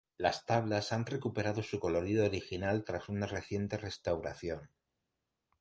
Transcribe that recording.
Las tablas han recuperado su colorido original tras una reciente restauración.